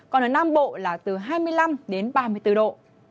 còn ở nam bộ là từ hai mươi năm đến ba mươi bốn độ